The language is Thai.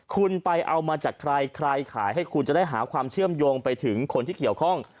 คุณไปเอามาจากใครใครขายให้คุณจะได้หาความเชื่อมโยงไปถึงคนที่เกี่ยวข้อง